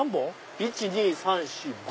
１・２・３・４・５。